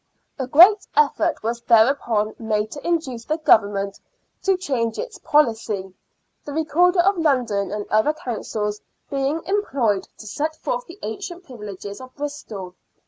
A great effort was thereupon made to induce the Government to change its policy, the Recorder of London and other counsel being employed to set forth the ancient privileges of Bristol.